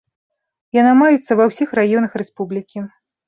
Яна маецца ва ўсіх раёнах рэспублікі.